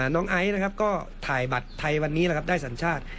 ไอซ์นะครับก็ถ่ายบัตรไทยวันนี้นะครับได้สัญชาติ